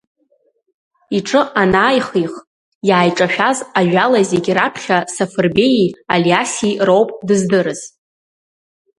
Иҿы анааихих, иааиҿшәаз ажәала зегь раԥхьа Сафарбеии Алиаси роуп дыздырыз.